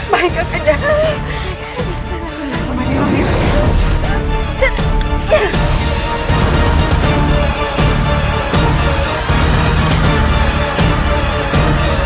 mari kita satukan kekuatan kita